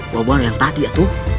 wabah yang tadi pak man